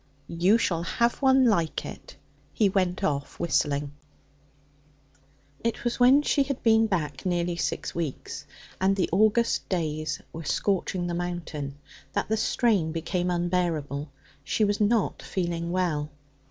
'You shall have one like it.' He went off whistling. It was when she had been back nearly six weeks, and the August days were scorching the Mountain, that the strain became unbearable. She was not feeling well.